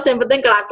yang penting kelakon